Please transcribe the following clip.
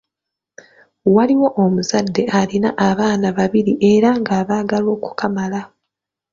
Waaliwo omuzadde alina abaana babiri era nga abaagala okukamala.